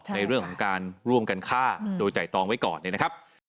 ในเรื่องของการร่วมกันฆ่าโดยไตรตองไว้ก่อนเนี่ยนะครับ